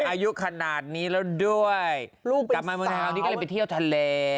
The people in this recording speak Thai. อายุขนาดนี้แล้วด้วยกลับมาเมืองไทยวันนี้ก็เลยไปเที่ยวทะเล